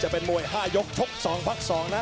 เป็นมวย๕ยกชก๒พัก๒นะ